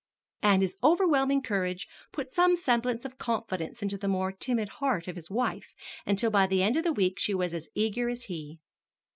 And his overwhelming courage put some semblance of confidence into the more timid heart of his wife, until by the end of the week she was as eager as he.